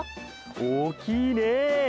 おおきいね！